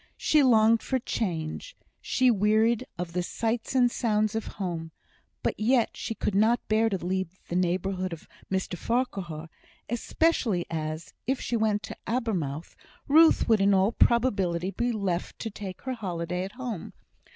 She longed for change. She wearied of the sights and sounds of home. But yet she could not bear to leave the neighbourhood of Mr Farquhar; especially as, if she went to Abermouth, Ruth would in all probability be left to take her holiday at home.